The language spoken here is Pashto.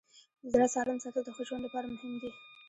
د زړه سالم ساتل د ښه ژوند لپاره مهم دي.